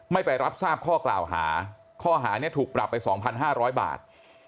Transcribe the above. ไม่ไปรับทราบข้อกล่าวหาข้อหานี้ถูกปรับไป๒๕๐๐บาท